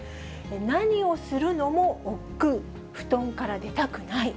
何をするのもおっくう、布団から出たくない。